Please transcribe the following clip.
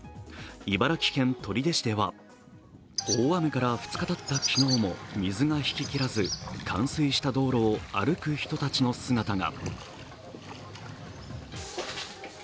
茨城県取手市では大雨から２日たった昨日も水が引ききらず冠水した道路を歩く人たちの姿が。